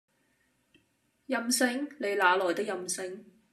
任性？你那來的任性？